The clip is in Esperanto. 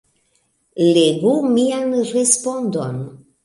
Legu mian respondon.